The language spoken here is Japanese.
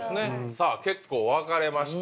さぁ結構分かれました